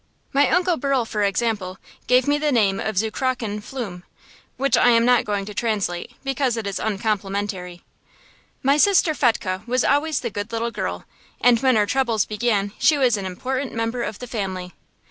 My uncle Berl, for example, gave me the name of "Zukrochene Flum," which I am not going to translate, because it is uncomplimentary. My sister Fetchke was always the good little girl, and when our troubles began she was an important member of the family.